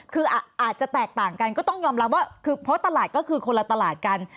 คืออาจจะแตกต่างกันก็ต้องยอมรับว่าคือเพราะตลาดก็คือคนละตลาดกัน